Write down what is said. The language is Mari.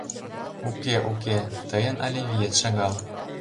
— Уке, уке, тыйын але виет шагал.